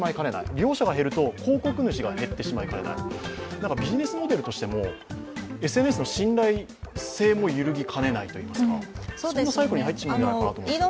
利用者が減ると広告主が減ってしまいかねない、ビジネスモデルとしてもＳＮＳの信頼性も揺るぎかねないといいますかそんなサイクルに入ってしまうんじゃないかなと思うんですけど。